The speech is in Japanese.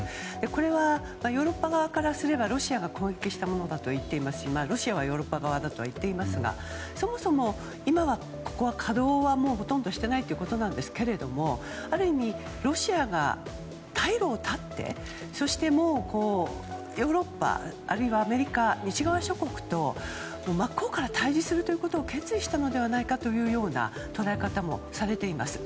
これはヨーロッパ側からすればロシアが攻撃したものだと言ってますしロシアはヨーロッパ側だと言っていますがそもそも今は稼働はもうほとんどしていないということですがある意味、ロシアが退路を断ってそして、ヨーロッパあるいはアメリカ西側諸国と真っ向から対峙することを決意したのではないかというような捉え方もされています。